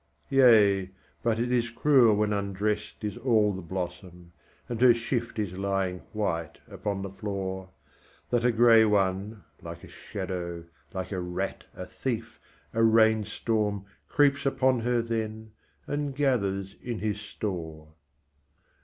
Yea, but it is cruel when undressed is all the blossom, And her shift is lying white upon the floor, That a grey one, like a shadow, like a rat, a thief, a rain storm Creeps upon her then and gathers in his store.